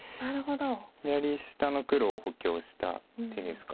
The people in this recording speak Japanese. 左下の黒を補強した手ですか。